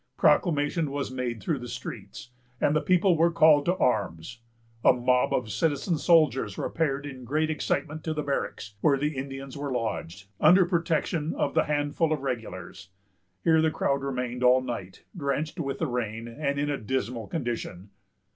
Proclamation was made through the streets, and the people were called to arms. A mob of citizen soldiers repaired in great excitement to the barracks, where the Indians were lodged, under protection of the handful of regulars. Here the crowd remained all night, drenched with the rain, and in a dismal condition.